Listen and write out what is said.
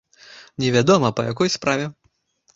Невядома, па якой справе.